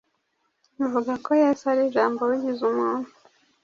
ivuga ko Yesu ari Jambo wigize umuntu.